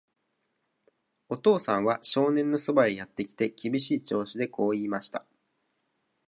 お父さんは少年のそばへやってきて、厳しい調子でこう言いました。